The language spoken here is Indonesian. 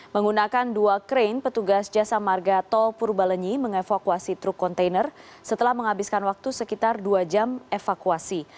menggunakan dua krain petugas jasa marga tol purbalenyi mengevakuasi truk kontainer setelah menghabiskan waktu sekitar dua jam evakuasi